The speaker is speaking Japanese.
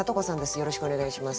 よろしくお願いします。